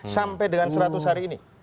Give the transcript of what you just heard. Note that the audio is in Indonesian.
sampai dengan seratus hari ini